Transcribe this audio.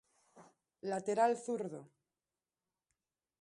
Lateral zurdo.